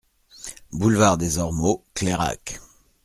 Boulevard des Ormeaux, Clairac